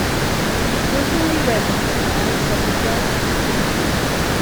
He personally read them during live public broadcasts.